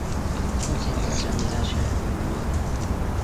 目前只整理到去年六月